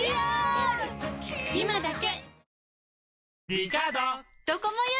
今だけ！